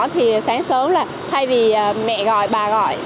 thì sáng sớm là thay vì mẹ gọi bà gọi